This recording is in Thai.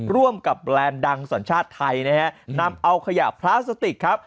ร่วมกับแบรนด์ดังสัญชาติไทยนะฮะนำเอาขยะพลาสติกครับ